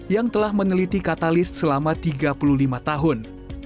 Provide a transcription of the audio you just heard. yang telah meneliti katalis selama tiga puluh lima tahun